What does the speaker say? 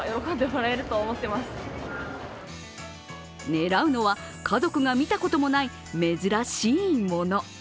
狙うのは家族が見たこともない珍しいもの。